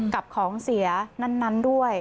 กับของเสียนั้นด้วย